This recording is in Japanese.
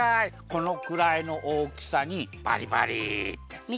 このくらいのおおきさにバリバリ。